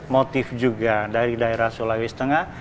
motif juga dari daerah sulawesi tengah